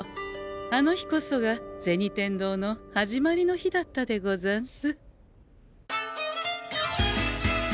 あの日こそが銭天堂の始まりの日だったでござんす。